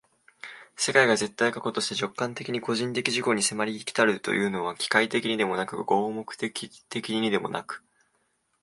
世界が絶対過去として直観的に個人的自己に迫り来るというのは、機械的にでもなく合目的的にでもなく、